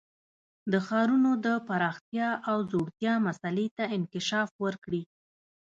د ښارونو د پراختیا او ځوړتیا مسئلې ته انکشاف ورکړي.